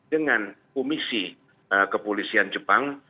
dengan komisi kepolisian jepang